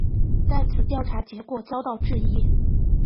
但此调查结果遭到质疑。